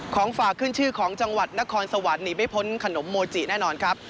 ฝากขึ้นชื่อของจังหวัดนครสวรรค์หนีไม่พ้นขนมโมจิแน่นอนครับ